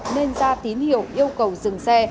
nên ra tín hiệu yêu cầu dừng xe